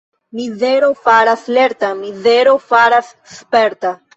Mizero faras lerta, mizero faras sperta.